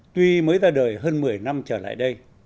tuy mới ra đời hơn một mươi năm trở lại đây